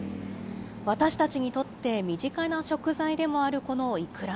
私たちにとって身近な食材でもあるこのイクラ。